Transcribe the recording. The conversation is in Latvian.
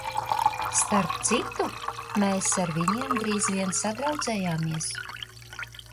Starp citu, mēs ar viņiem drīz vien sadraudzējāmies.